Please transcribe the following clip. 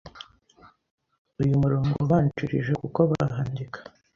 uyu murongo ubanjirije kuko bahandika